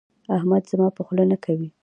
احمد زما په خوله نه کوي.